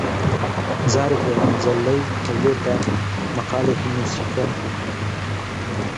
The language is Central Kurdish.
جارێک لە مەجەللەی هەولێر دا مەقالێکم نووسی کە: